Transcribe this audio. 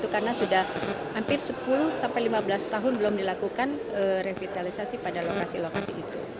karena sudah hampir sepuluh lima belas tahun belum dilakukan revitalisasi pada lokasi lokasi itu